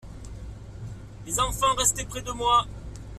Les enfants, restez près de moi.